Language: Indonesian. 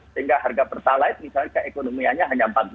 sehingga harga pertalai misalnya keekonomianya hanya empat belas sekian